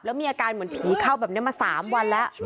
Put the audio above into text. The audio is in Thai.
แล้วมีอาการเหมือนผีเข้าแบบนี้มา๓วันแล้ว